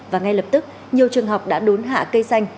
và ngay lập tức nhiều trường học đã đốn hạ cây xanh